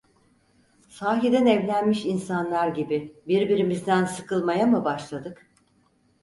Sahiden evlenmiş insanlar gibi birbirimizden sıkılmaya mı başladık?